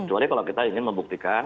kecuali kalau kita ingin membuktikan